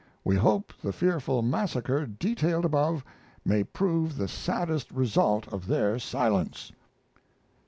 We hope the fearful massacre detailed above may prove the saddest result of their silence.